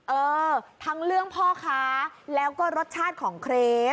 เออทั้งเรื่องพ่อค้าแล้วก็รสชาติของเครป